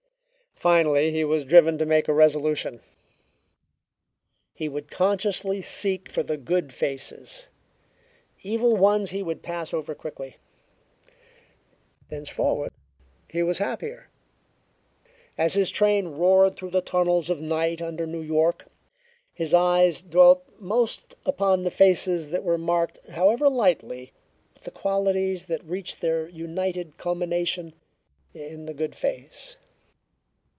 Finally, he was driven to make a resolution. He would consciously seek for the good faces; evil ones he would pass over quickly. Thenceforward he was happier. As his train roared through the tunnels of night under New York, his eyes dwelt most upon the faces that were marked, however lightly, with the qualities that reached their united culmination in the "good face."